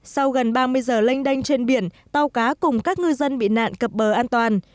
sau gần ba mươi giờ lênh đênh trên biển tàu cá cùng các ngư dân bị nạn cập bờ an toàn